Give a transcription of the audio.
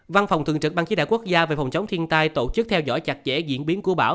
văn phòng thường trực ban chỉ đạo quốc gia về phòng chống thiên tai tổ chức theo dõi chặt chẽ diễn biến của bão